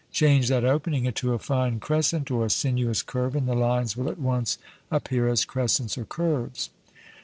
Change that opening into a fine crescent or a sinuous curve, and the "lines" will at once appear as crescents or curves.